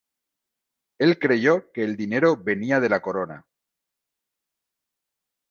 El creyó que el dinero venía de la corona.